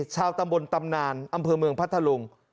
ชาวตำบลตำนานอำเภอเมืองพัทธลุง